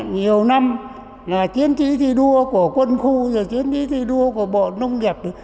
nhiều năm là chiến trí thì đua của quân khu chiến trí thì đua của bộ nông nghiệp